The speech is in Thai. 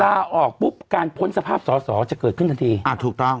ลาออกปุ๊บการพ้นสภาพสอสอจะเกิดขึ้นทันทีอ่าถูกต้อง